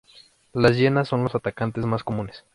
Las hienas son los atacantes más comunes.